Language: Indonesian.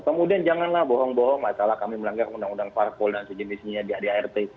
kemudian janganlah bohong bohong masalah kami melanggar undang undang parpol dan sejenisnya di adart